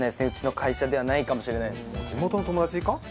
うちの会社ではないかもしれない地元の友達か？